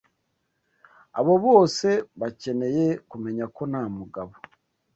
Abo bose bakeneye kumenya ko nta mugabo